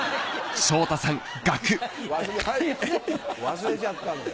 忘れちゃったのよ。